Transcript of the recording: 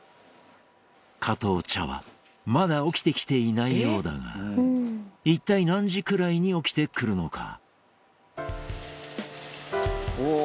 加藤茶は、まだ起きてきていないようだが一体何時くらいに起きてくるのか。